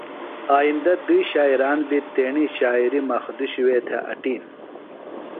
آئندہ دُوئی شاعران بیۡ تیݨی شاعری مخدوشی وے تھےۡ اٹیِن۔